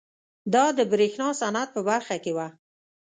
دا د برېښنا صنعت په برخه کې وه.